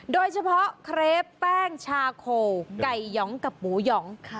โดยเฉพาะเครปแป้งชาโคไก่หยองกับหมูหยองค่ะ